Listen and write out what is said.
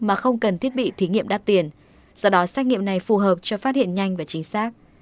mà không cần thiết bị thí nghiệm đắt tiền do đó xét nghiệm này phù hợp cho phát hiện nhanh và chính xác